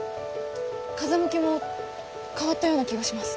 風向きも変わったような気がします。